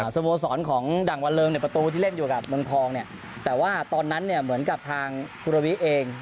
สโมสรของดั่งวันเริงในประตูที่เล่นอยู่กับเมืองทองเนี่ยแต่ว่าตอนนั้นเนี่ยเหมือนกับทางคุณรวิเอง